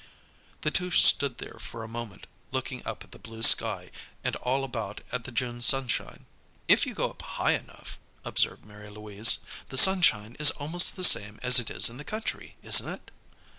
The two stood there a moment, looking up at the blue sky, and all about at the June sunshine. "If you go up high enough," observed Mary Louise, "the sunshine is almost the same as it is in the country, isn't it?"